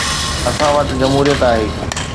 اسان وٽ جمهوريت آهي.